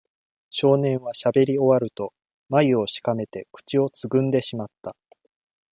少年はしゃべり終わると、まゆをしかめて口をつぐんでしまった。